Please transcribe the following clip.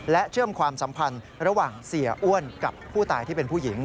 เชื่อมความสัมพันธ์ระหว่างเสียอ้วนกับผู้ตายที่เป็นผู้หญิง